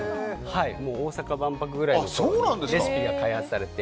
大阪万博ぐらいの時にレシピが開発されて。